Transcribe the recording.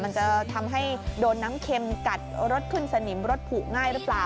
มันจะทำให้โดนน้ำเข็มกัดรถขึ้นสนิมรถผูกง่ายหรือเปล่า